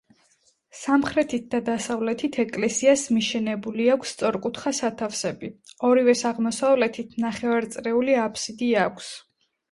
სამხრეთით და დასავლეთით ეკლესიას მიშენებული აქვს სწორკუთხა სათავსები; ორივეს აღმოსავლეთით ნახევარწრიული აფსიდი აქვს.